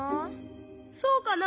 そうかな？